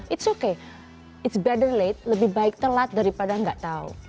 it's okay it's better late lebih baik telat daripada enggak tahu